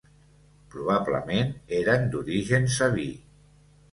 Probablement eren d'origen sabí.